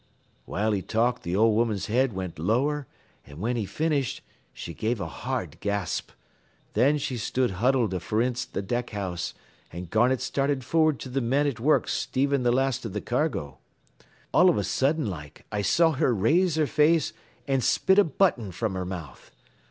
"While he talked th' old woman's head went lower, and whin he finished, she gave a hard gasp. Thin she stood huddled forninst th' deck house, an' Garnett started forward to th' men at work stevin' th' last av th' cargo. "All av a sudden like I saw her raise her face an' spit a button from her mouth.